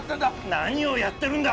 何をやってるんだ！